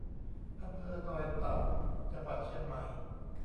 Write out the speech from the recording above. อำเภอดอยเต่า จังหวัดเชียงใหม่